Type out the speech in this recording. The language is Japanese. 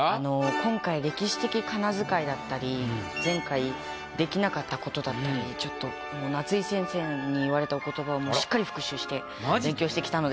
今回歴史的仮名遣いだったり前回できなかったことだったりちょっと夏井先生に言われた言葉をしっかり復習して勉強してきたので。